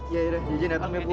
ya udah ya jen dateng ya bu